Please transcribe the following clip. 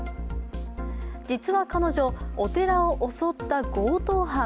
実は彼女、お寺を襲った強盗犯。